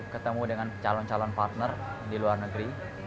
ketemu dengan calon calon partner di luar negeri